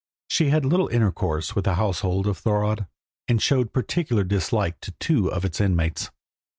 She had little intercourse with the household of Thorodd, and showed particular dislike to two of its inmates.